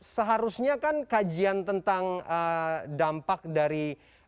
seharusnya kan kajian tentang dampak dari